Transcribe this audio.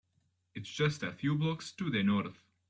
It’s just a few blocks to the North.